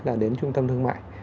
là đến trung tâm thương mại